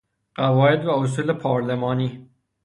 قواعد و اصول پارلمانی